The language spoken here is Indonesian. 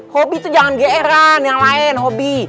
hobi itu jangan gr an yang lain hobi